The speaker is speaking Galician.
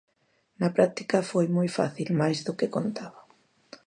Na práctica foi moi fácil, máis do que contaba.